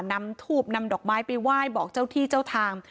นำทูบนำดอกไม้ไปไหว้บอกเจ้าที่เจ้าทาง